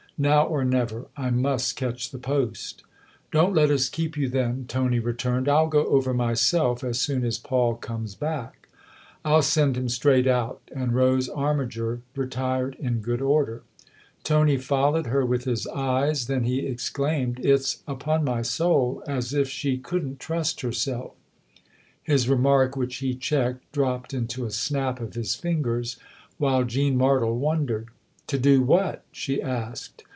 Now or never I must catch the post." " Don't let us keep you, then," Tony returned, " I'll go over myself as soon as Paul comes back." " I'll send him straight out." And Rose Armiger retired in good order. Tony followed her with his eyes ; then he ex claimed :" It's, upon my soul, as if she couldn't THE OTHER HOUSE 163 trust herself !" His remark, which he checked, dropped into a snap of his fingers while Jean Martle wondered. " To do what ?" she asked.